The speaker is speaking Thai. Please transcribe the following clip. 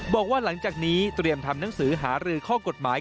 บอกว่าหลังจากนี้เตรียมทำหนังสือหารือข้อกฎหมาย